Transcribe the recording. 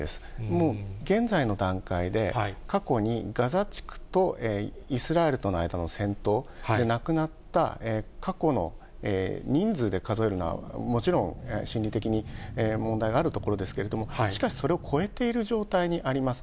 もう現在の段階で過去にガザ地区とイスラエルとの間の戦闘で亡くなった過去の人数で数えるのは、もちろん心理的に問題があるところですけれども、しかし、それを超えている状態にあります。